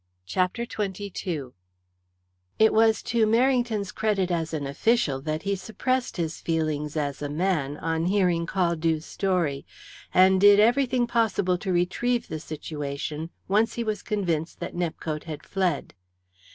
CHAPTER XXII It was to Merrington's credit as an official that he suppressed his feelings as a man on hearing Caldew's story, and did everything possible to retrieve the situation once he was convinced that Nepcote had fled.